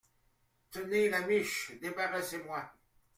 Tenez, Lamiche, débarrassez-moi.